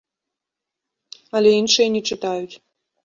Але іншыя не чытаюць.